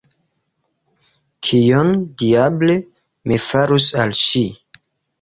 Kion, diable, mi farus al ŝi?